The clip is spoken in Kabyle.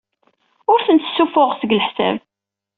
Ur tent-ssuffuɣeɣ seg leḥsab.